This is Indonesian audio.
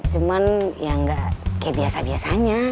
cuman ya nggak kayak biasa biasanya